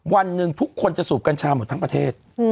วันหนึ่งทุกคนจะสูบกัญชาหมดทั้งประเทศ